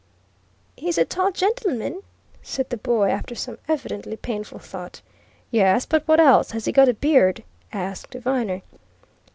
"He's a tall gentleman," said the boy, after some evidently painful thought. "Yes, but what else has he got a beard?" asked Viner.